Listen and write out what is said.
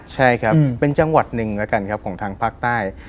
ใช่ครับเป็นจังหวัดหนึ่งแล้วกันครับของทางภาคใต้